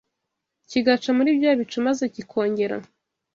kigaca muri bya bicu maze kikongera